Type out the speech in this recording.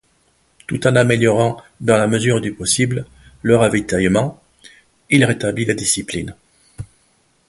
Tout en améliorant, dans la mesure du possible, le ravitaillement, il rétablit la discipline.